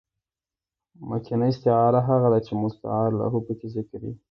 مکنیه استعاره هغه ده، چي مستعارله پکښي ذکر يي.